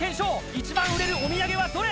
一番売れるお土産はどれ？